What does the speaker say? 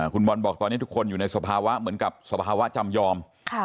คุณบอลบอกตอนนี้ทุกคนอยู่ในสภาวะเหมือนกับสภาวะจำยอม